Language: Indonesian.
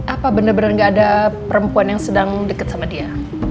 apa bener bener gak ada perempuan yang sedang deket sama dia